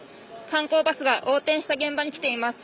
観光バスが横転した現場に来ています。